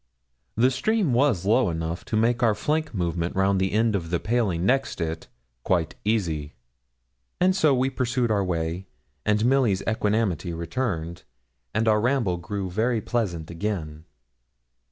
The stream was low enough to make our flank movement round the end of the paling next it quite easy, and so we pursued our way, and Milly's equanimity returned, and our ramble grew very pleasant again.